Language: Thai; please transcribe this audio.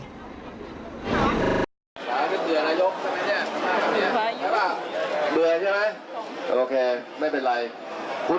ถามเป็นเบื่อนายกใช่ไหมเนี่ยถามเนี่ยใช่ป่ะ